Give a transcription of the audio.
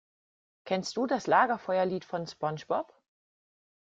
Kennst du das Lagerfeuerlied von SpongeBob?